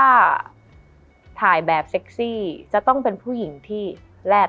มันทำให้ชีวิตผู้มันไปไม่รอด